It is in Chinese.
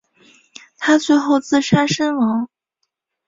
他最后自杀身亡。